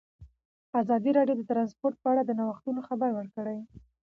ازادي راډیو د ترانسپورټ په اړه د نوښتونو خبر ورکړی.